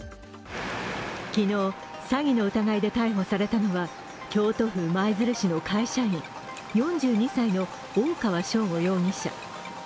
昨日、詐欺の疑いで逮捕されたのは、京都府舞鶴市の会社員、４２歳の大川聖悟容疑者。